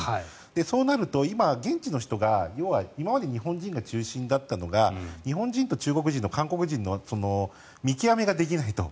そうなると今、現地の人が今まで日本人が中心だったのが日本人と中国人と韓国人の見極めができないと。